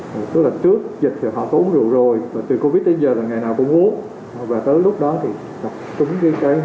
một số là trước dịch thì họ có uống rượu rồi từ covid tới giờ là ngày nào cũng uống và tới lúc đó thì đập trúng cái cây